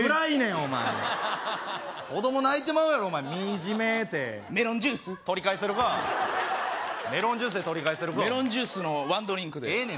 お前子供泣いてまうやろ「みじめ」ってメロンジュース取り返せるかメロンジュースで取り返せるかメロンジュースのワンドリンクでええねん